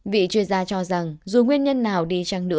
vị chuyên gia cho rằng dù nguyên nhân nào đi